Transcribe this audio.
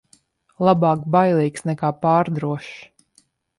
Labāk bailīgs nekā pārdrošs.